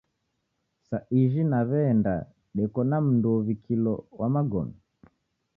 Sa ijhi naweenda deko na mndu uwikilo wa magome